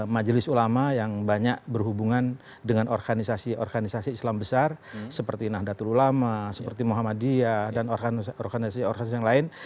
majelis ulama yang banyak berhubungan dengan organisasi organisasi islam besar seperti nahdlatul ulama seperti muhammadiyah dan organisasi organisasi yang lain